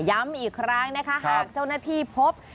ย้ำอีกครั้งนะคะหากเจ้าหน้าที่พบ